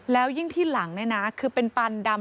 แล้วยิ่งที่หลังเนี่ยนะคือเป็นปานดำ